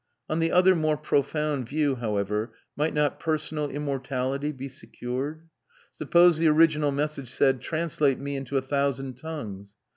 On the other more profound view, however, might not personal immortality be secured? Suppose the original message said: Translate me into a thousand tongues!